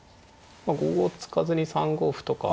５五突かずに３五歩とか。